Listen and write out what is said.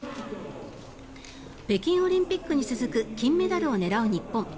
北京オリンピックに続く金メダルを狙う日本。